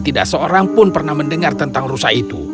tidak seorang pun pernah mendengar tentang rusa itu